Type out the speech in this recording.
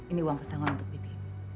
ini uang pesanggal untuk bibi